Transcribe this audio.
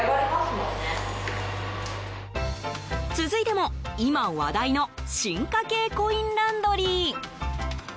続いても、今話題の進化形コインランドリー。